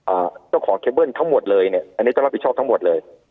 เจ้าของเคเบิ้ลทั้งหมดเลยเนี้ยอันนี้ต้องรับผิดชอบทั้งหมดเลย